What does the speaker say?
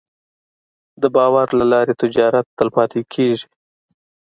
د باور له لارې تجارت تلپاتې کېږي.